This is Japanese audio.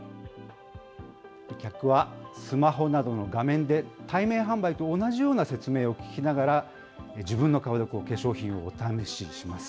客はスマホなどの画面で対面販売と同じような説明を聞きながら、自分の顔で化粧品をお試しします。